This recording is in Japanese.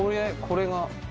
これが。